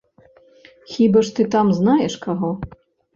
Хіба ж ты там знаеш каго?